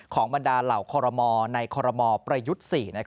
ของบรรดาเหล่าคอลโลมอล์ในคอลโลมอล์ประยุทธ์๔